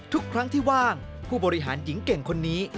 ทุกครั้งที่ว่างผู้บริหารหญิงเก่งคนนี้